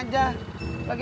mas ojak lo nangkep